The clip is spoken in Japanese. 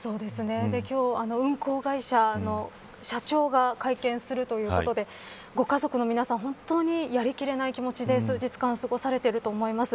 今日運航会社の社長が会見するということでご家族の皆さん、本当にやりきれない気持ちで、数日間過ごされていると思います。